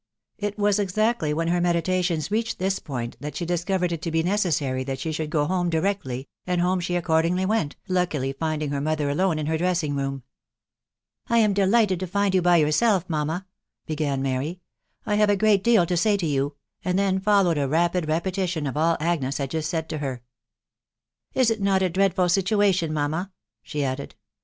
205 It was exactly when her meditations reached this point that she discovered it to he necessary that she should go home directly, and home she accordingly went, luckily finding her mother alone in her dressing room. " I am delighted to find you b/ yourself, mamma," began Mary, " I have a great deal to say to you," and fhen followed a rapid repetition of all Agnes had just said to her. " Is it not a dreadful situation, mamma ?" she added.